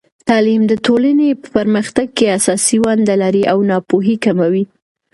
تعلیم د ټولنې په پرمختګ کې اساسي ونډه لري او ناپوهي کموي.